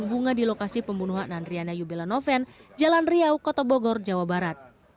tabur bunga di lokasi pembunuhan nandriana yubela noven jalan riau kota bogor jawa barat